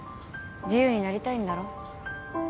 自由になりたいんだろ？